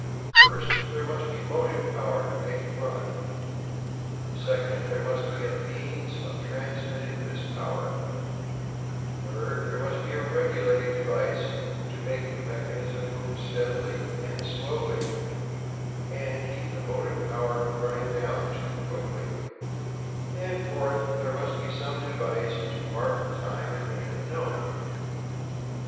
First, there must be a motive power to make it run; second, there must be a means of transmitting this power; third, there must be a regulating device to make the mechanism move steadily and slowly, and keep the motive power from running down too quickly; and, fourth, there must be some device to mark the time and make it known.